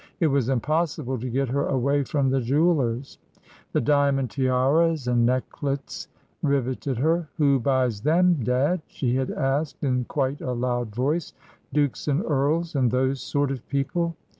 It was impossible to get her away from the jewellers'; the diamond tiaras and necklets riveted her. "Who buys them, dad?" she had asked, in quite a loud voice; "dukes and earls, and those sort of people?"